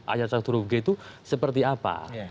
ayat satu rug itu seperti apa